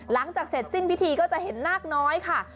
หลังจากเสร็จสิ้นพิธีก็จะเห็นนาคน้อยค่ะ